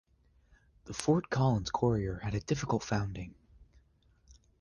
The "Fort Collins Courier" had a difficult founding.